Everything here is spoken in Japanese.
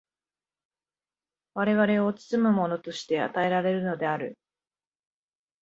我々を包むものとして与えられるのである。